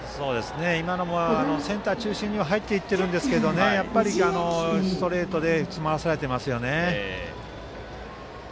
今のもセンター中心には入っていっているんですがやっぱりストレートで詰まらされてますよね。